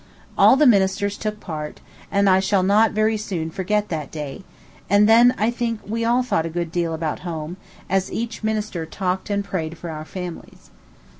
All the ministers took part; and I shall not very soon forget that day; and then I think we all thought a good deal about home, as each minister talked and prayed for our families.